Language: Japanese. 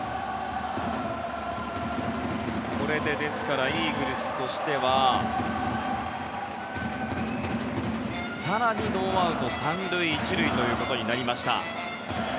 これでイーグルスとしては更にノーアウト３塁１塁ということになりました。